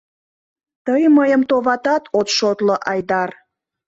Тый мыйым, товатат, от шотло, Айдар!